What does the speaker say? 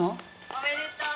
おめでとう。